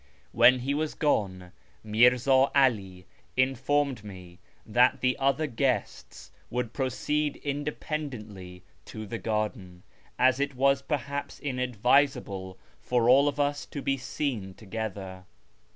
When he was gone, Mirza 'Ali informed me that the other guests would pro ceed independently to the garden, as it was perhaps inadvisable for all of us to be seen together.